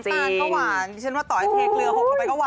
เฉพาะลองเสร็จน้ำตาลก็หวาน